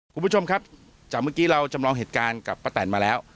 คุณผู้ชมครับจากเมื่อกี้เราจำลองเหตุการณ์กับป้าแตนมาแล้ว